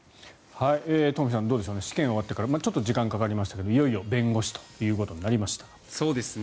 東輝さん、どうでしょうね試験が終わってからちょっと時間がかかりましたけどいよいよ弁護士となりました。